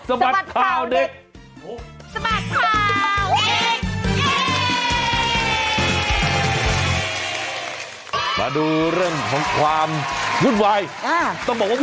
สมัดเผ่าเด็ก